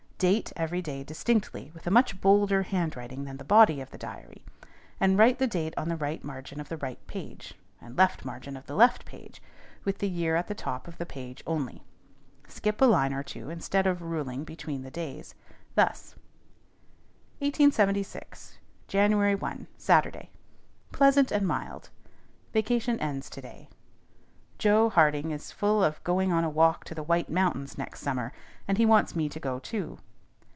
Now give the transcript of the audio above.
Date every day distinctly, with a much bolder handwriting than the body of the diary; and write the date on the right margin of the right page, and left margin of the left page, with the year at the top of the page only. Skip a line or two instead of ruling between the days. Thus: =1876.= =JANUARY 1, SATURDAY.= Pleasant and mild. Vacation ends to day. _Jo. Harding is full of going on a walk to the White Mountains next summer, and he wants me to go too.